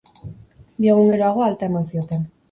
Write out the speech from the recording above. Bi egun geroago, alta eman zioten.